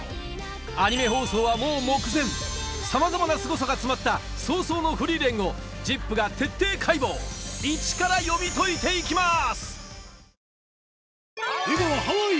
アニメ放送はもう目前さまざまなすごさが詰まった『葬送のフリーレン』を『ＺＩＰ！』が徹底解剖イチから読み解いていきます！